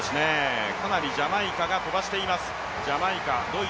かなりジャマイカが飛ばしています。